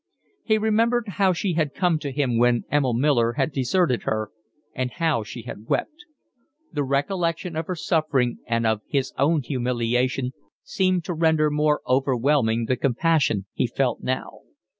He remembered how she had come to him when Emil Miller had deserted her and how she had wept. The recollection of her suffering and of his own humiliation seemed to render more overwhelming the compassion he felt now.